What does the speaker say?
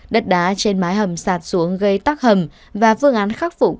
đất đá trên mái hầm sạt xuống gây tắc hầm và phương án khắc phục